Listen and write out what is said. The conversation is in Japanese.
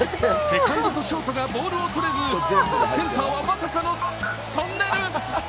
セカンドとショートがボールを取れずセンターはまさかのトンネル。